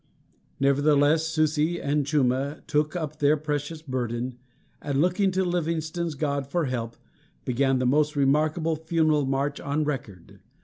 Nevertheless, Susi and Chuma took up their precious burden, and, looking to Livingstone's God for help, began the most remarkable funeral march on record.